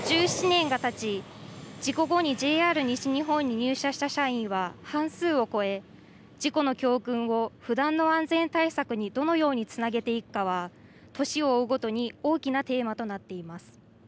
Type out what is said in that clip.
１７年がたち、事故後にＪＲ西日本に入社した社員は半数を超え、事故の教訓を、不断の安全対策にどのようにつなげていくかは、年を追うごとに大きなテーマとなっています。